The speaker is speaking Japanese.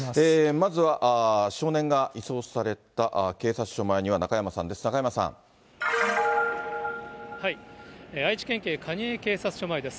まずは、少年が移送された警察署前には中山さんです。